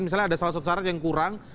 misalnya ada salah satu syarat yang kurang